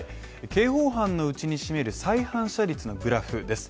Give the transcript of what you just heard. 刑法犯のうちに占める再犯者率のグラフです。